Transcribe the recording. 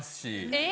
えっ？